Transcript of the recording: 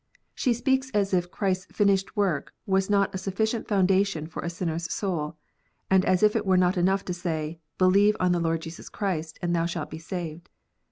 She speaks as if Christ s finished work was not a sufficient foundation for a sinner s soul, and as if it were not enough to say, " Believe on the Lord Jesus Christ, and thou shalt be saved."